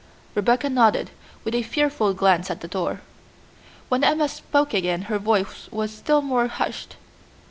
Rebecca nodded, with a fearful glance at the door. When Emma spoke again her voice was still more hushed.